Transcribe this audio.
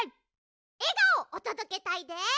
えがおおとどけたいで。